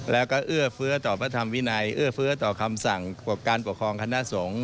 แล้วก็เอื้อเฟื้อต่อพระธรรมวินัยเอื้อเฟื้อต่อคำสั่งการปกครองคณะสงฆ์